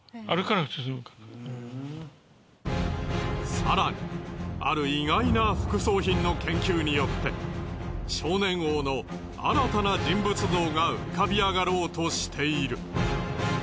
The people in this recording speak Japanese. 更にある意外な副葬品の研究によって少年王の新たな人物像が浮かび上がろうとしている。